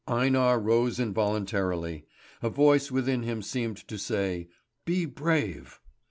Einar rose involuntarily. A voice within him seemed to say: "Be brave!"